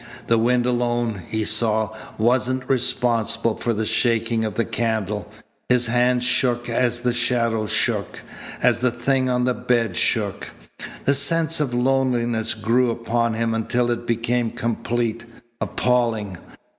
The wind alone, he saw, wasn't responsible for the shaking of the candle. His hand shook as the shadows shook, as the thing on the bed shook. The sense of loneliness grew upon him until it became complete, appalling.